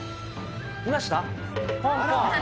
見ました？